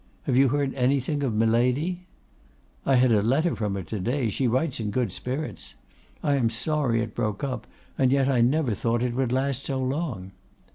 Have you heard anything of Miladi?' 'I had a letter from her to day: she writes in good spirits. I am sorry it broke up, and yet I never thought it would last so long.